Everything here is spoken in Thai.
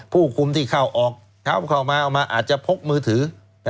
ผู้คุมที่เข้าออกเข้ามาอาจจะพกมือถือ